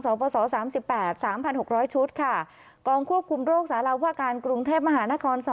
ปปศ๓๘๓๖๐๐ชุดค่ะกองควบคุมโรคสารวาการกรุงเทพมหานคร๒